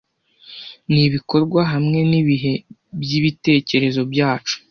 nibikorwa hamwe nibihe byibitekerezo byacu